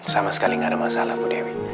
sama sekali nggak ada masalah bu dewi